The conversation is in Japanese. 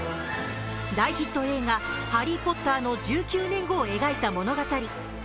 大ヒット映画「ハリー・ポッター」の１９年後を描いた物語。